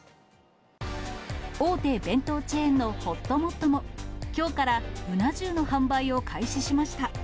大手弁当チェーンのほっともっとも、きょうから、うな重の販売を開始しました。